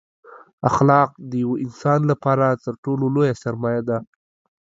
اخلاق دیوه انسان لپاره تر ټولو لویه سرمایه ده